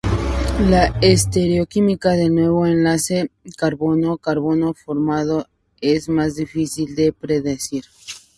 La estereoquímica del nuevo enlace carbono-carbono formado es más difícil de predecir.